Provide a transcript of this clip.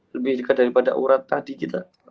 lebih dekat daripada urat tadi kita